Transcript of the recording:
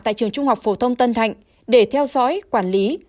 tại trường trung học phổ thông tân thạnh để theo dõi quản lý